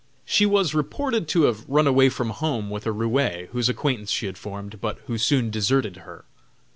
She was reported to have run away from home with a roué, whose acquaintance she had formed, but who soon deserted her.